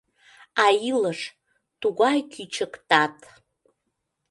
А илыш — тугай кӱчык тат.